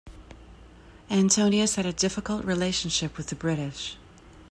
Antonius had a difficult relationship with the British.